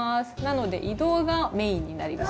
なので移動がメインになります。